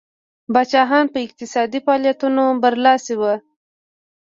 پاچاهان په اقتصادي فعالیتونو برلاسي وو.